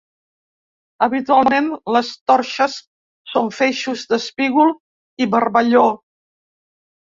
Habitualment, les torxes són feixos d’espígol i barballó.